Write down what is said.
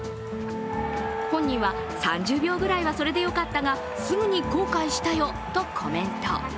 本人は３０秒くらいはそれでよかったがすぐに後悔したよとコメント。